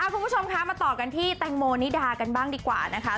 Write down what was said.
คุณผู้ชมคะมาต่อกันที่แตงโมนิดากันบ้างดีกว่านะคะ